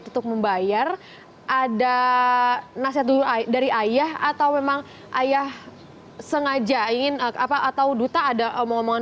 untuk membayar ada nasihat dari ayah atau memang ayah sengaja ingin apa atau duta ada omongan omongan